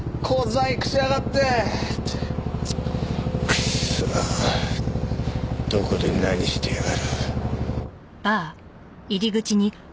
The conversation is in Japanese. クソどこで何してやがる？